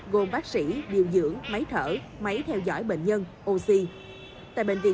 gồm bác sĩ điều dưỡng máy thở máy theo dõi bệnh nhân oxy